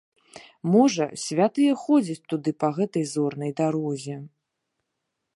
Можа, святыя ходзяць туды па гэтай зорнай дарозе.